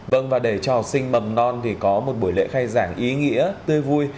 vâng và để cho học sinh mầm non thì có một buổi lễ khai giảng ý nghĩa tươi vui